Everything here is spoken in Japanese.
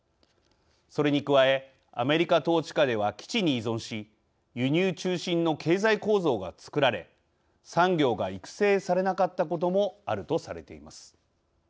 それに加え、アメリカ統治下では基地に依存し輸入中心の経済構造がつくられ産業が育成されなかったこともあるとされています。